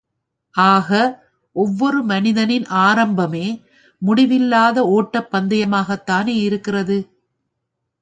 ஆக, ஒவ்வொரு மனிதனின் ஆரம்பமே, முடிவில்லாத ஒட்டப் பந்தயமாகத் தானே இருக்கிறது.